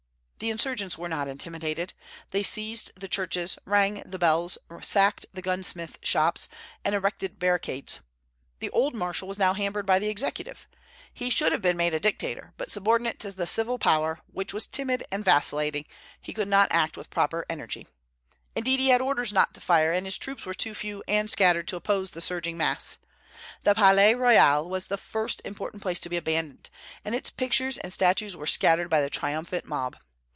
The insurgents were not intimidated. They seized the churches, rang the bells, sacked the gunsmith shops, and erected barricades. The old marshal was now hampered by the Executive. He should have been made dictator; but subordinate to the civil power, which was timid and vacillating, he could not act with proper energy. Indeed, he had orders not to fire, and his troops were too few and scattered to oppose the surging mass. The Palais Royal was the first important place to be abandoned, and its pictures and statues were scattered by the triumphant mob.